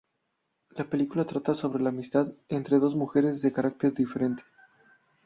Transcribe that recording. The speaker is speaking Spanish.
La película trata sobre la amistad entre dos mujeres de carácter diferente.